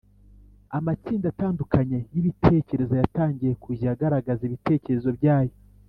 amatsinda atandukanye y’ibitekerezo yatangiye kujya agaragaza ibitekerezo byayo